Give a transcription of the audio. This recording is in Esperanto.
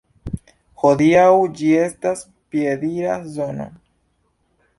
Hodiaŭ ĝi estas piedira zono.